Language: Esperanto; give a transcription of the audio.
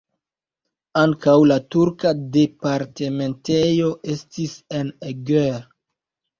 Ankaŭ la turka departementejo estis en Eger.